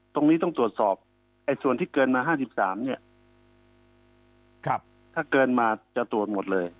ต้องตรวจสอบส่วนที่เกินมา๕๓เนี่ยถ้าเกินมาจะตรวจหมดเลย